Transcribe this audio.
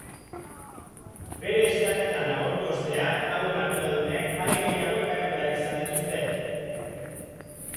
Bere standetan agortu ostean hauen arduradunek ale gehiago ekarri behar izan dituzte.